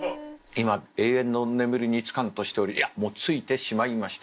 今永遠の眠りにつかんとしておりいやもうついてしまいました。